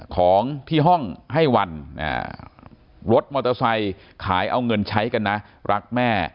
ของที่ห้องให้วันรถมอเตอร์ไซค์ขายเอาเงินใช้กันนะรักแม่